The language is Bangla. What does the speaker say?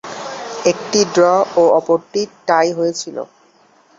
একটি ড্র ও অপরটি টাই হয়েছিল।